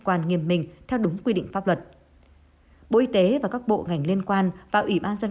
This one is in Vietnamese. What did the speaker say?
quan nghiêm minh theo đúng quy định pháp luật bộ y tế và các bộ ngành liên quan và ủy ban dân